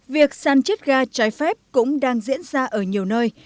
việc săn chiết ga trái phép cũng đang diễn ra ở nhiều nơi